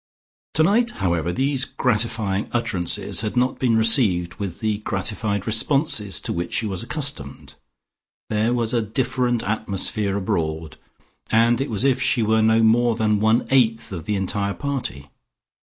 Tonight, however, these gratifying utterances had not been received with the gratified responses to which she was accustomed: there was a different atmosphere abroad, and it was as if she were no more than one eighth of the entire party....